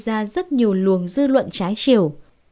chị hát đã gây ra rất nhiều luồng dư luận trái chiều